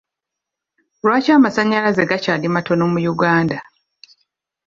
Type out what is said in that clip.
Lwaki amasannyalaze gakyali matono mu Uganda?